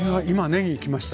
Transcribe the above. ねぎきました？